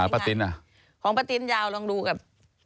พระตินทร์ยาวลองดูกับ